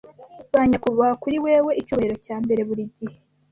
Ba nyakubahwa, kuri wewe icyubahiro cya mbere burigihe!